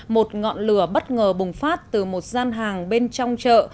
một ngọn lửa bất ngờ bùng phát từ một gian hàng bên trong chợ